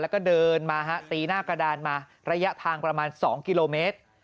แล้วก็เดินมาฮะตีหน้ากระดานมาระยะทางประมาณ๒กิโลเมตร